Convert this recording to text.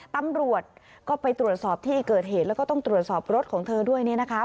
ตำรวจก็ไปตรวจสอบที่เกิดเหตุแล้วก็ต้องตรวจสอบรถของเธอด้วยเนี่ยนะคะ